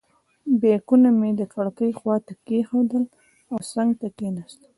بیکونه مې د کړکۍ خواته کېښودل او څنګ ته کېناستم.